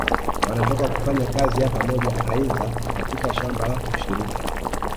Wanatoka kufanya kazi ya Pamoja aidha katika shamba la ushirika